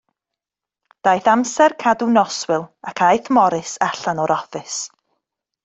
Daeth amser cadw noswyl, ac aeth Morris allan o'r offis.